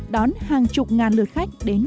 đón hàng chục ngàn lượt khách đến